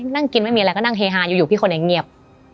นั่งกินไม่มีอะไรก็นั่งเฮฮาอยู่พี่คนยังเงียบ